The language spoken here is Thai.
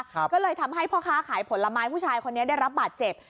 ก็เลยทำให้พ่อค้าขายผลไม้ผู้ชายคนนี้ได้รับบาดเจ็บ